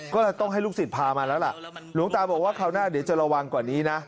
ก็เลยต้องให้ลูกศิษย์พามาแล้วล่ะหลวงตาบอกว่าคราวหน้าเดี๋ยวจะระวังกว่านี้นะ